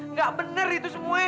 nggak bener itu semua